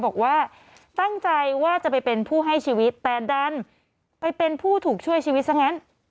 บอกว่าตั้งใจว่าจะไปเป็นผู้ให้ชีวิตแต่ดันไปเป็นผู้ถูกช่วยชีวิตซะงั้น